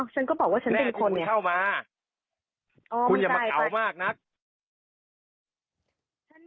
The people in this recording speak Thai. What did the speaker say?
ฉันก็บอกว่าฉันเป็นคน